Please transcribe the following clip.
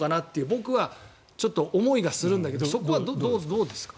僕はちょっと思いがするんだけどそこはどうですか？